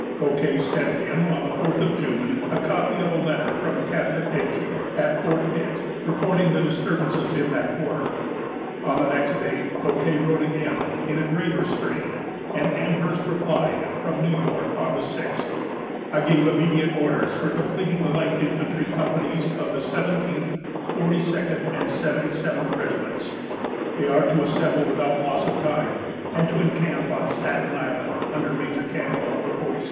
Bouquet sent him, on the fourth of June, a copy of a letter from Captain Ecuyer, at Fort Pitt, reporting the disturbances in that quarter. On the next day Bouquet wrote again, in a graver strain; and Amherst replied, from New York, on the sixth: "I gave immediate orders for completing the light infantry companies of the 17th, 42d, and 77th regiments. They are to assemble without loss of time, and to encamp on Staten Island, under Major Campbell, of the 42d....